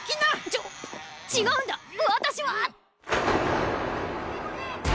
ちょ違うんだ私は！